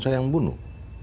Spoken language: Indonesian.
saya yang bunuh